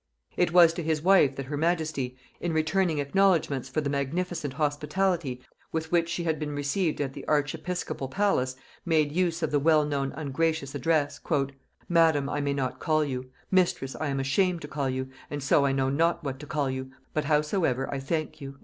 It was to his wife that her majesty, in returning acknowledgements for the magnificent hospitality with which she had been received at the archiepiscopal palace, made use of the well known ungracious address; "Madam I may not call you, mistress I am ashamed to call you, and so I know not what to call you; but howsoever I thank you."